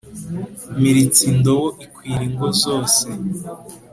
Mpiritse indobo ikwira ingo zose